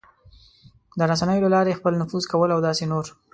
د رسنیو له لارې خپل نفوذ کول او داسې نور...